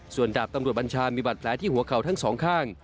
ส่วนดาบตำรวจบัญชามีบาดแผลที่หัวเข่าทั้งสองข้าง